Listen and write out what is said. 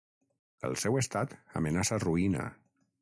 El seu estat amenaça ruïna.